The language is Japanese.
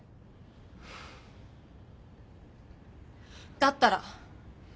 だったら。